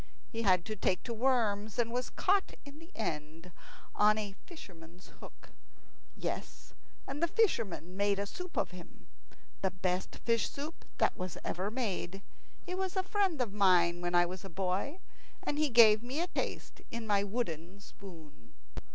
He had to take to worms, and was caught in the end on a fisherman's hook. Yes, and the fisherman made a soup of him the best fish soup that ever was made. He was a friend of mine when I was a boy, and he gave me a taste in my wooden spoon.